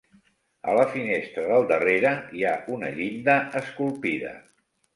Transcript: A la finestra del darrere hi ha una llinda esculpida.